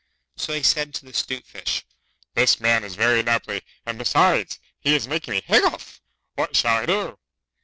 So he said to the 'Stute Fish, 'This man is very nubbly, and besides he is making me hiccough. What shall I do?